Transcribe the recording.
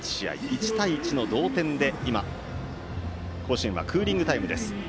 １対１の同点で今、甲子園はクーリングタイムです。